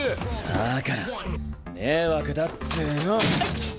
だから迷惑だっつぅの！